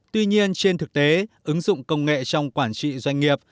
tuy nhiên trên thực tế ứng dụng công nghệ trong quản trị doanh nghiệp